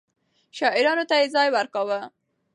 شاعرانو ته يې ځای ورکاوه.